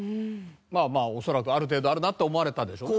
まあまあ恐らくある程度あるなって思われたでしょうね。